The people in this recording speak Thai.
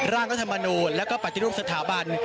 ร่างรัฐมนูลและปฏิรูปสถาบัน